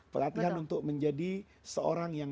pelatihan untuk menjadi seorang yang